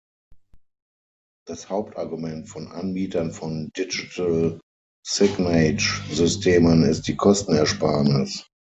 Das Hauptargument von Anbietern von Digital-Signage-Systemen ist die Kostenersparnis.